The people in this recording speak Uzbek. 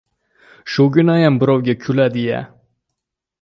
— Shuginayam birovga kuladi-ya?